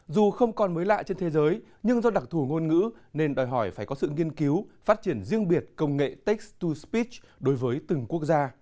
dù không còn mới lạ trên thế giới nhưng do đặc thủ ngôn ngữ nên đòi hỏi phải có sự nghiên cứu phát triển riêng biệt công nghệ text to speech đối với từng quốc gia